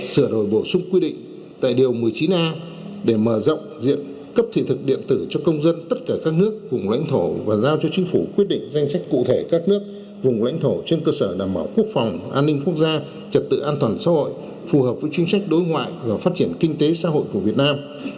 sửa đổi bổ sung quy định tại điều một mươi chín a để mở rộng diện cấp thị thực điện tử cho công dân tất cả các nước vùng lãnh thổ và giao cho chính phủ quyết định danh sách cụ thể các nước vùng lãnh thổ trên cơ sở đảm bảo quốc phòng an ninh quốc gia trật tự an toàn xã hội phù hợp với chính sách đối ngoại và phát triển kinh tế xã hội của việt nam